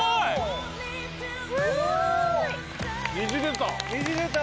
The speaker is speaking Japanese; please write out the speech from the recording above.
すごい！虹出た！